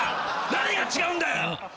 何が違うんだよ！